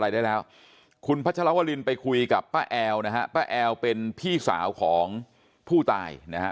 ได้แล้วคุณพัชรวรินไปคุยกับป้าแอลนะฮะป้าแอลเป็นพี่สาวของผู้ตายนะฮะ